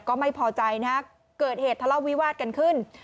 ก็ไม่พอใจนะฮะเกิดเหตุทะเลาะวิวาสกันขึ้น